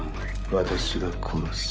私が殺す。